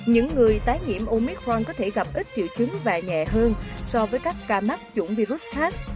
những người tái nhiễm omicron có thể gặp ít triệu chứng và nhẹ hơn so với các ca mắc chủng virus khác